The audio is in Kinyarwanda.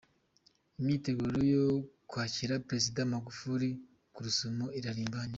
Imyiteguro yo kwakira Perezida Magufuli ku Rusumo irarimbanyije.